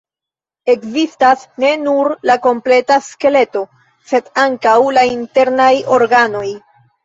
Ekzistas ne nur la kompleta skeleto, sed ankaŭ la internaj organoj.